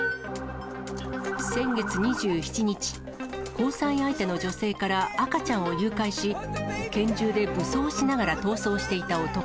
先月２７日、交際相手の女性から赤ちゃんを誘拐し、拳銃で武装しながら逃走していた男。